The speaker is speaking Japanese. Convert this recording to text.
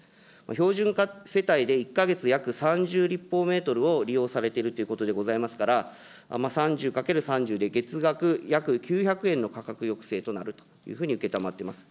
標準世帯で１か月約３０立方メートルを利用されているということでございますから、３０×３０で月額約９００円の価格抑制となるというふうに承っています。